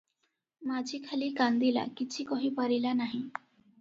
ମାଝି ଖାଲି କାନ୍ଦିଲା, କିଛି କହି ପାରିଲା ନାହିଁ ।